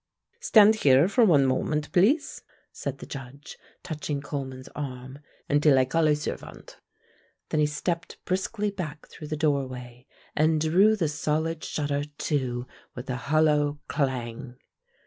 "Stand here for one moment, please," said the Judge, touching Coleman's arm, "until I call a servant." Then he stepped briskly back through the doorway and drew the solid shutter to with a hollow clang.